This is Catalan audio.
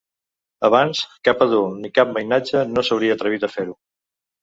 Abans cap adult ni cap mainatge no s’hauria atrevit a fer-ho.